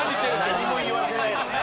何も言わせないのね。